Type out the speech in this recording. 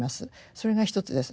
それが一つです。